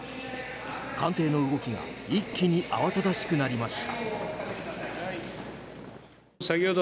官邸の動きが一気に慌ただしくなりました。